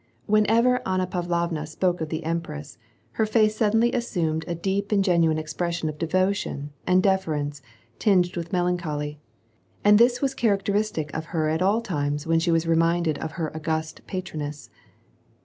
Whenever Anna Pavlovna spoke of the empress, her face suddenly assumed a deep and genuine expression of devotion and deference tinged with melancholy, and this was characteristic of her at all times when she was reminded of her august patroness.